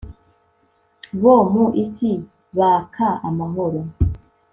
bo mu isi baka amahoro